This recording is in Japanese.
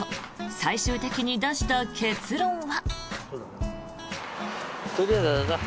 最終的に出した結論は。